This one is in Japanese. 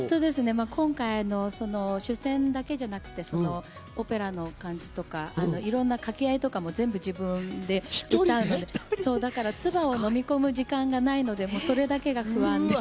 今回、主旋だけじゃなくてオペラの感じとかいろんな掛け合いとかも全部自分で歌うのでつばを飲み込む時間がないのでそれだけが不安です。